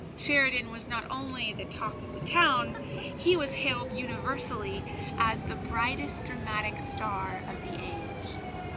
Sheridan was not only the "talk of the town"; he was hailed universally as the brightest dramatic star of the age.